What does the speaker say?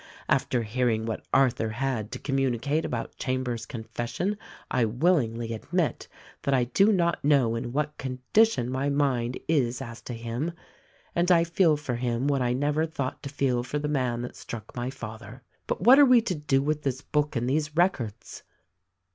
After hearing what Arthur had to communicate about Chambers' confes sion I willingly admit that I do not know in what condition my mind is as to him — and I feel for him what I never thought to feel for the man that struck my father. But what are we to do with this book and these records?"